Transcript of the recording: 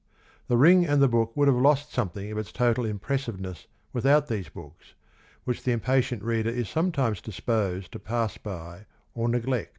The Ring and the Book would have lost something of its total impressiveness without these books, which the impatient reader is sometimes disposed to pass by or neglect.